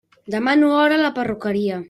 Demano hora a la perruqueria.